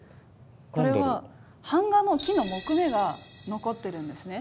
これは版画の木の木目が残ってるんですね。